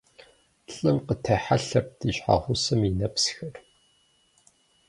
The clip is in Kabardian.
Лӏым къытехьэлъэрт и щхьэгъусэм и нэпсхэр.